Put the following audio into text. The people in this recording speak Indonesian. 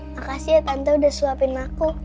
makasih ya tante udah suapin aku